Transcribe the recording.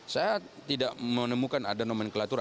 saya tidak menemukan ada nomenklatur